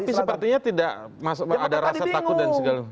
tapi sepertinya tidak ada rasa takut dan segala